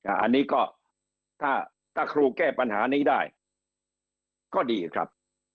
อันนี้ก็ถ้าครูแก้ปัญหานี้ได้ก็ดีครับ